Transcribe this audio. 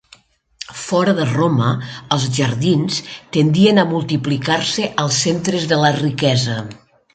Fora de Roma, els jardins tendien a multiplicar-se als centres de la riquesa.